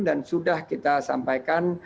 dan sudah kita sampaikan